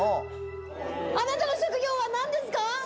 あなたの職業は何ですか？